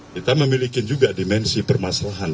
kita memiliki juga dimensi permasalahan